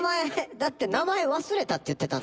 名前忘れたって言ってたんで。